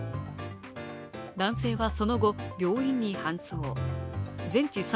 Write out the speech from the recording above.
男性はその後、病院に搬送全治